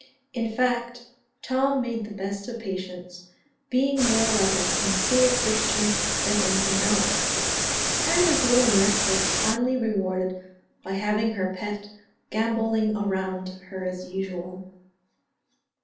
In fact, Tom made the best of patients, being more like a sincere Christian than anything else; and his little nurse was finally rewarded, by having her pet gambolling around her as usual.